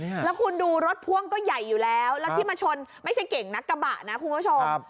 แล้วคุณดูรถพ่วงก็ใหญ่อยู่แล้วแล้วที่มาชนไม่ใช่เก่งนักกระบะนะคุณผู้ชม